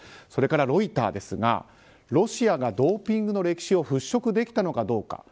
それからロイターですがロシアがドーピングの歴史を払しょくできたのかどうか。